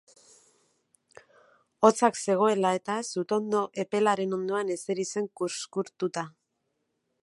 Hotzak zegoela eta, sutondo epelaren ondoan eseri zen kuzkurtuta.